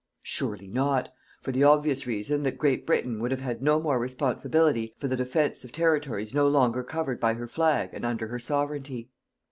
Surely not, for the obvious reason that Great Britain would have had no more responsibility for the defence of territories no longer covered by her flag and under her Sovereignty.